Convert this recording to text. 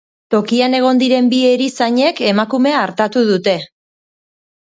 Tokian egon diren bi erizainek emakumea hartatu dute.